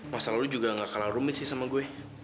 masalah lo juga gak kalah rumit sih sama gue